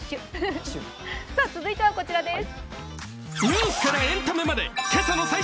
続いてはこちらです。